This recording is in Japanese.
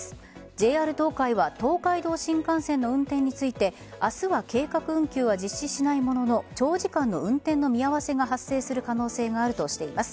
ＪＲ東海は東海道新幹線の運転について明日は計画運休は実施しないものの長時間の運転の見合わせが発生する可能性があるとしています。